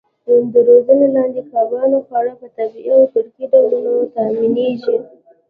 د روزنې لاندې کبانو خواړه په طبیعي او ترکیبي ډولونو تامینېږي.